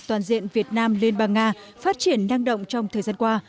toàn diện việt nam liên bang nga phát triển năng động trong thời gian qua